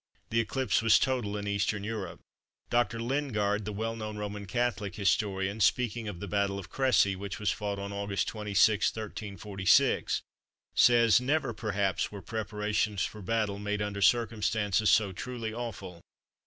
The eclipse was total in Eastern Europe. Dr. Lingard, the well known Roman Catholic historian, speaking of the battle of Cressy, which was fought on August 26, 1346, says:—"Never, perhaps, were preparations for battle made under circumstances so truly awful.